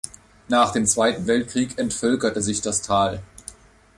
Nach dem Zweiten Weltkrieg entvölkerte sich das Tal.